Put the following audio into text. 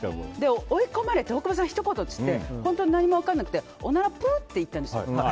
追い込まれて大久保さんひと言って言って本当に何も分からなくておならプって言ったんですよ。